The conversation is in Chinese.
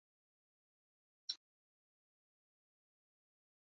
为堤厄斯忒斯与其女菲洛庇亚为推翻阿特柔斯所生。